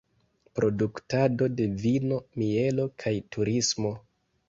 Produktado de vino, mielo kaj turismo.